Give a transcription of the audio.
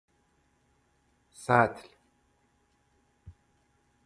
سطل